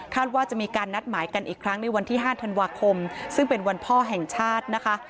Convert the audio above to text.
ว่าจะมีการนัดหมายกันอีกครั้งในวันที่๕ธันวาคมซึ่งเป็นวันพ่อแห่งชาตินะคะ